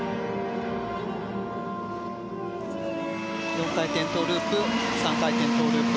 ４回転トウループ３回転トウループ。